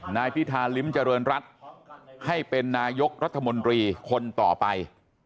นายพิธาลิ้มเจริญรัฐให้เป็นนายกรัฐมนตรีคนต่อไป